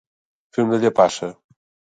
Fer una llepassa.